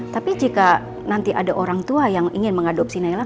tapi jika nanti ada orang tua yang ingin mengadopsi naila